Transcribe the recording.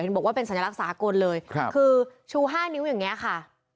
บอกว่าเป็นสัญลักษากลเลยคือชู๕นิ้วอย่างนี้ค่ะ